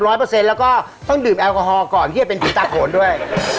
แล้วก็ต้องดื่มแอลกอฮอล์ก่อนเหี้ยเป็นผีตาขนด้วย